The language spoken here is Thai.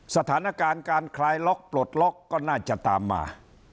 สถานการณ์การคลายล็อกปลดล็อกก็น่าจะตามมา